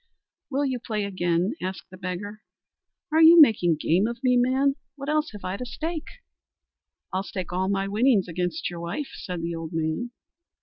"Will you play again?" asked the beggar. "Are you making game of me, man; what else have I to stake?" "I'll stake all my winnings against your wife," said the old man.